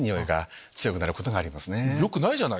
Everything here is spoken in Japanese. よくないじゃない！